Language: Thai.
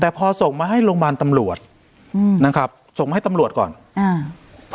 แต่พอส่งมาให้โรงพยาบาลตำรวจอืมนะครับส่งให้ตำรวจก่อนอ่า